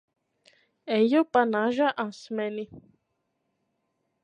Eju pa naža asmeni.